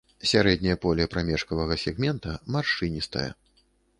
Сярэдняе поле прамежкавага сегмента маршчыністае.